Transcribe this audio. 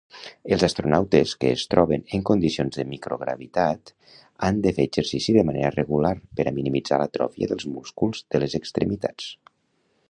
Els astronautes que es troben en condicions de microgravitat han de fer exercici de manera regular per a minimitzar l'atròfia dels músculs de les extremitats.